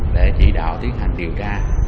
để chỉ đạo tiến hành điều tra